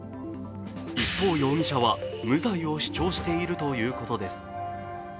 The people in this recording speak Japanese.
一方、容疑者は無罪を主張しているということです。